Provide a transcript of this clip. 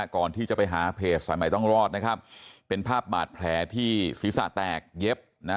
ก่อนที่จะไปหาเพจสายใหม่ต้องรอดนะครับเป็นภาพบาดแผลที่ศีรษะแตกเย็บนะ